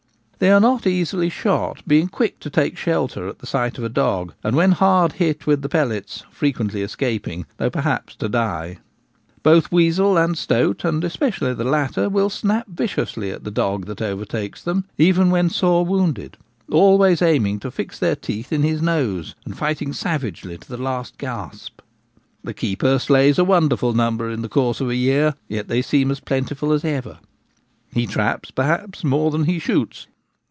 They are not easily shot, being quick to take shelter at the sight of a dog, and when hard hit with the pellets frequently escaping, though perhaps to die. Both weasel and stoat, and especially the latter, will snap viciously at the dog that overtakes them, even when sore wounded, always aiming to fix their teeth in his nose, and fighting savagely to the last gasp. The keeper slays a wonderful number in the course of a year, yet they seem as plentiful as ever He traps perhaps more than he shoots.